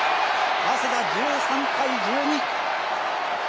早稲田、１３対１２。